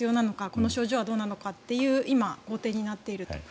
この症状はどうなのかって今、後手になっていると。